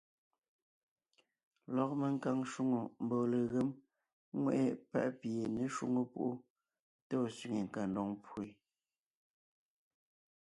Lɔg menkaŋ shwòŋo mbɔɔ legém ŋweʼe páʼ pi ye ně shwóŋo púʼu tá ɔ̀ sẅiŋe kandoŋ pwó yé.